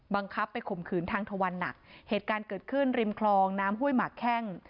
บังคับไปข่มขืนทางทวันหนักเหตุการณ์เกิดขึ้นริมคลองน้ำห้วยหมากแข้ง